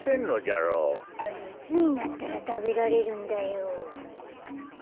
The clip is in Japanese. いつになったらたべられるんだよ。